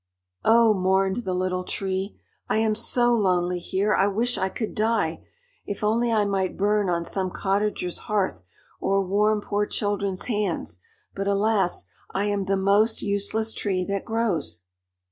"Oh," mourned the Little Tree, "I am so lonely here! I wish I could die. If only I might burn on some cottager's hearth or warm poor children's hands; but alas, I am the most useless tree that grows!"